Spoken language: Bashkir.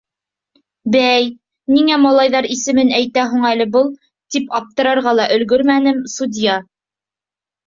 Бәй, ниңә малайҙар исемен әйтә һуң әле был, тип аптырарға ла өлгөрмәнем, судья: